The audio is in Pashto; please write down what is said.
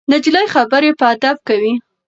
نجلۍ خبرې په ادب کوي.